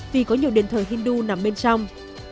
vì có nhiều đền thờ hindu nằm bên trong